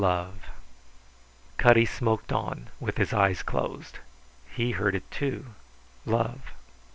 Love. Cutty smoked on, with his eyes closed. He heard it, too. Love.